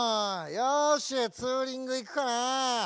よしツーリングいくかな。